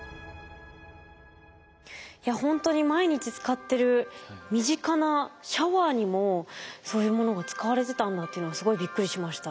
いやほんとに毎日使ってる身近なシャワーにもそういうものが使われてたんだっていうのはすごいびっくりしました。